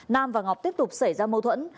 nam và ngọc tiếp tục xảy ra mâu thuẫn